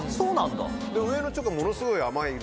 で上のチョコものすごい甘いんで。